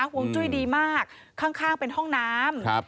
ห่วงจุ้ยดีมากข้างเป็นห้องน้ำ